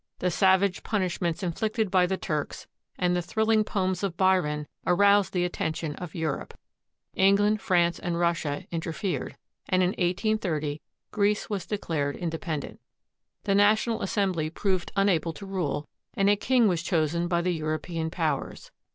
The savage punishments inflicted by the Turks and the thrilling poems of Byron aroused th« attention of Europe. England, France, and Russia intetp fered, and in 1830 Greece was declared independent. The National Assernbly proved unable to rule, and a king was chosen by the European Powers.